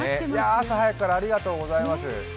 朝早くからありがとうございます。